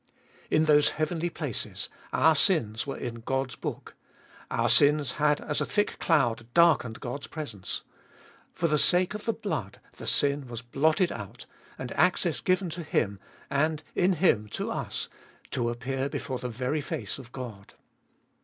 In those heavenly places our sins were in God's book, our sins had as a thick cloud darkened God's presence ; for the sake of the blood the sin was blotted out, and access given to Him, and in Him to us, to appear fjolicst ot ail 297 before the very face of God.